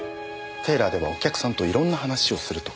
テーラーではお客さんといろんな話をするとか。